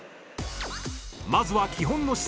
まずは基本の姿勢